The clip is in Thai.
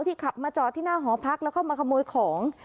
ขับมาจอดที่หน้าหอพักแล้วเข้ามาขโมยของ